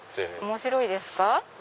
面白いですか？